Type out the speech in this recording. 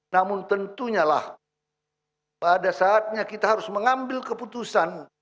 namun tentunya lah pada saatnya kita harus mengambil keputusan